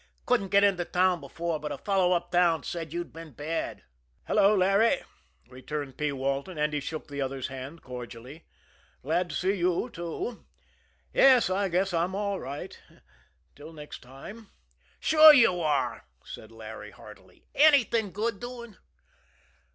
Couldn't get into town before, but a fellow uptown said you'd been bad." "Hello, Larry," returned P. Walton, and he shook the other's hand cordially. "Glad to see you, too. Yes; I guess I'm all right till next time." "Sure, you are!" said Larry heartily. "Anything good doing?"